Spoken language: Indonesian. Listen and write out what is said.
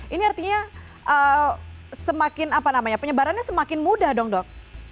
ini artinya penyebarannya semakin mudah dong dok